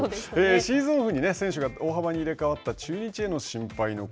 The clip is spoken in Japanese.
シーズンオフに選手が大幅に入れ代わった中日への心配の声。